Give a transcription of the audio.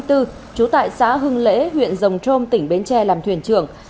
trú tại xã hưng lễ huyện rồng trôm tỉnh bến tre làm thuyền trưởng